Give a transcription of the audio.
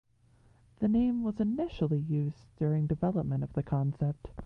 The name was initially used during development of the concept.